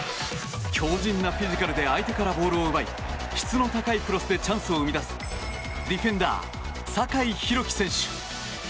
強じんなフィジカルで相手からボールを奪い質の高いクロスでチャンスを生み出すディフェンダー、酒井宏樹選手。